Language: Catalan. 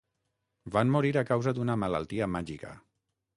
Van morir a causa d'una malaltia màgica.